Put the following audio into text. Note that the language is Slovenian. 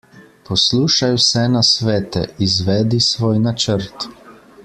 Poslušaj vse nasvete, izvedi svoj načrt.